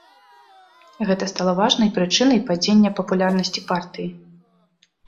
Гэта стала важнай прычынай падзення папулярнасці партыі.